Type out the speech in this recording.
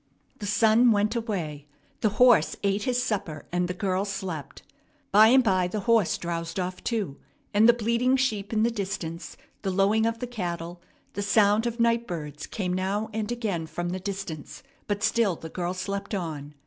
The sun went away; the horse ate his supper; and the girl slept. By and by the horse drowsed off too, and the bleating sheep in the distance, the lowing of the cattle, the sound of night birds, came now and again from the distance; but still the girl slept on.